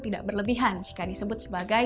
tidak berlebihan jika disebut sebagai